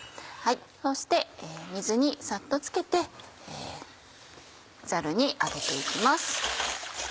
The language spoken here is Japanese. そして水にサッと漬けてザルに上げて行きます。